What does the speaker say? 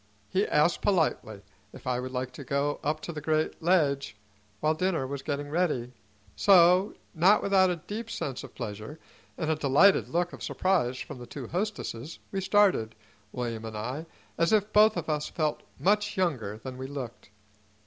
He asked politely if I would like to go up to the great ledge while dinner was getting ready; so, not without a deep sense of pleasure, and a delighted look of surprise from the two hostesses, we started, William and I, as if both of us felt much younger than we looked.